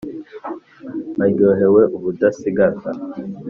baryohewe ubudasigaza